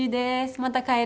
また帰るね。